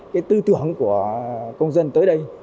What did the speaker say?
cái tư tưởng của công dân tới đây